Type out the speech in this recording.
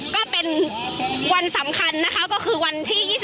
ก็เป็นวันสำคัญนะคะก็คือวันที่๒๒